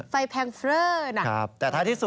ไฟแรงเฟรอนะครับอันนี้ไฟแพลงเฟรอ